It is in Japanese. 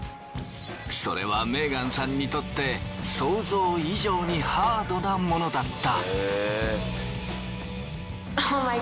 それはメーガンさんにとって想像以上にハードなものだった。